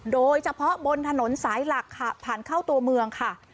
โดยเฉพาะบนถนนสายหลักค่ะผ่านเข้าตัวเมืองค่ะ